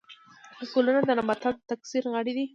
ګلونه د نباتاتو د تکثیر غړي دي